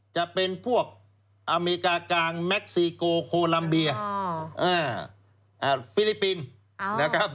จะเป็นพวกอเมริกากลางแม็กซีโกโคลัมเบียฟิลิปปินส์นะครับ